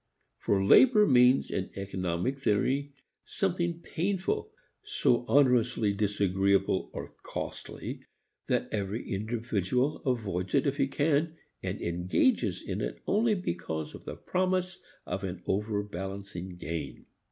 For labor means in economic theory something painful, something so onerously disagreeable or "costly" that every individual avoids it if he can, and engages in it only because of the promise of an overbalancing gain.